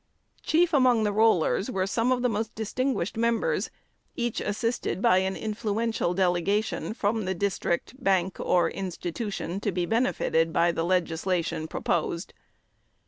Chief among the "rollers" were some of the most "distinguished" members, each assisted by an influential delegation from the district, bank, or "institution" to be benefited by the legislation proposed.